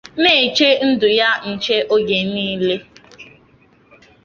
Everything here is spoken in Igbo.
na-eche ndụ ya nche oge niile